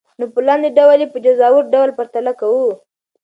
نو په لاندي ډول ئي په جزوار ډول پرتله كوو .